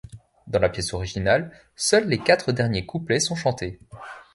Dans la pièce originale, seuls les quatre derniers couplets sont chantés.